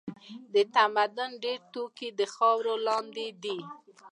د تمدن ډېر توکي تر خاورو لاندې دي.